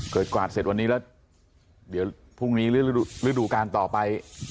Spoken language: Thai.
กวาดเสร็จวันนี้แล้วเดี๋ยวพรุ่งนี้หรือฤดูการต่อไป